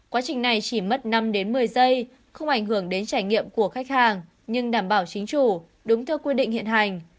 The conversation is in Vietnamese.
quá trình này chỉ mất năm đến một mươi giây không ảnh hưởng đến trải nghiệm của khách hàng nhưng đảm bảo chính chủ đúng theo quy định hiện hành